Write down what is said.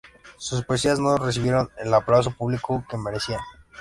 Sus poesías no recibieron el aplauso público que merecían.